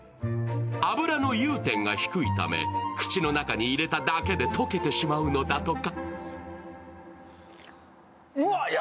脂の融点が低いため口の中に入れただけで溶けてしまうのだとか。